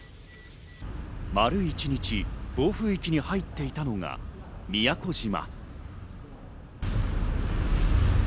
丸一日、暴風域に入っていたのが宮古島。